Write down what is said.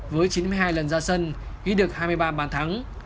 với chín mươi hai lần ra sân ghi được hai mươi ba bàn thắng